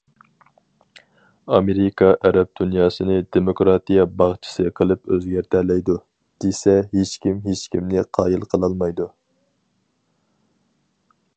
ئامېرىكا ئەرەب دۇنياسىنى دېموكراتىيە باغچىسى قىلىپ ئۆزگەرتەلەيدۇ، دېسە ھېچكىم ھېچكىمنى قايىل قىلالمايدۇ.